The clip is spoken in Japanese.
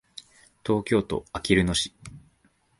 東京都あきる野市